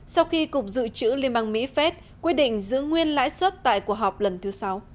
sau khi cục dự trữ liên bang mỹ phép quyết định giữ nguyên lãi suất tại cuộc họp lần thứ sáu